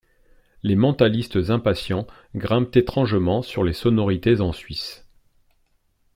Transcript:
Les mentalistes impatients grimpent étrangement sur les sonorités en Suisse.